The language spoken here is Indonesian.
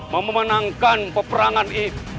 memenangkan peperangan ini